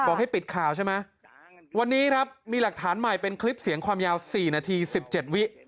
ให้ปิดข่าวใช่ไหมวันนี้ครับมีหลักฐานใหม่เป็นคลิปเสียงความยาวสี่นาทีสิบเจ็ดวิ